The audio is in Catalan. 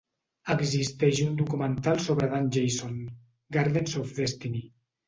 Existeix un documental sobre Dan Jason: "Gardens of Destiny".